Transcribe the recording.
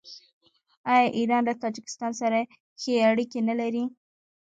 آیا ایران له تاجکستان سره ښې اړیکې نلري؟